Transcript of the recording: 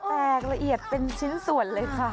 แตกละเอียดเป็นชิ้นส่วนเลยค่ะ